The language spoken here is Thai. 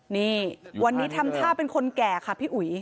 นี่วันนี้ทำท่าเป็นคนแก่ค่ะพี่อุ๋ย